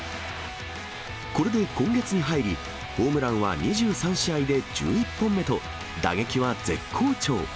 これで今月に入り、ホームランは２３試合で１１本目と、打撃は絶好調。